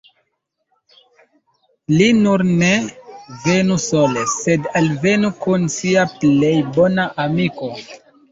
Li nur ne venu sole, sed alvenu kun sia plej bona amiko.